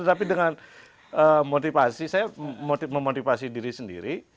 tapi dengan motivasi saya memotivasi diri sendiri